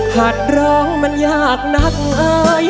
หัดร้องมันหลักนักเงย